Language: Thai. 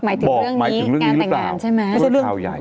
หมายถึงเรื่องนี้การแต่งงานใช่ไหม